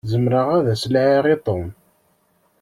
Zemreɣ ad s-laɛiɣ i Tom.